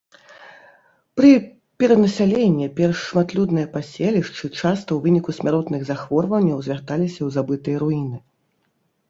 Пры перанасяленне перш шматлюдныя паселішчы часта ў выніку смяротных захворванняў звярталіся ў забытыя руіны.